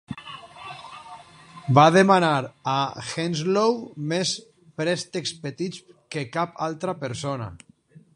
Va demanar a Henslowe més préstecs petits que cap altra persona.